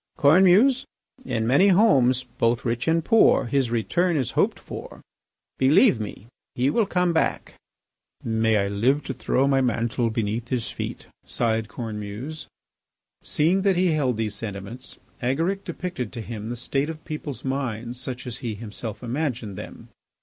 "Cornemuse, in many homes, both rich and poor, his return is hoped for. Believe me, he will come back." "May I live to throw my mantle beneath his feet!" sighed Cornemuse. Seeing that he held these sentiments, Agaric depicted to him the state of people's minds such as he himself imagined them.